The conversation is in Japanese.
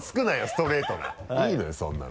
ストレートないいのよそんなの。